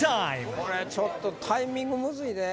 これちょっとタイミングムズいで・